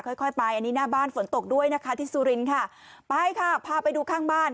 ค่อยค่อยไปอันนี้หน้าบ้านฝนตกด้วยนะคะที่สุรินทร์ค่ะไปค่ะพาไปดูข้างบ้าน